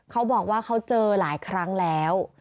เขาบอกว่าเขาเจอหลายครั้งแล้ว